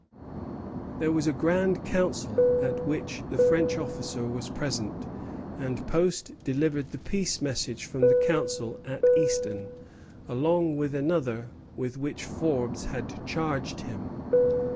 There was a grand council, at which the French officer was present; and Post delivered the peace message from the council at Easton, along with another with which Forbes had charged him.